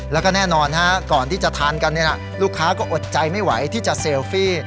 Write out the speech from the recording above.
แล้วก็แน่นอนก่อนที่จะทานกันลูกค้าก็อดใจไม่ไหวที่จะเซลฟี่